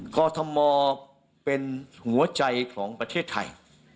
อทมเป็นหัวใจของประเทศไทย